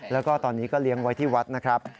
แล้วก็ตอนนี้ก็เลี้ยงไว้ที่วัดนะครับ